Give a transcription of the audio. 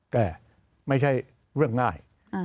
แต่ไม่ใช่เรื่องง่าย